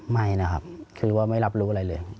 ไม่นะครับคือว่าไม่รับรู้อะไรเลย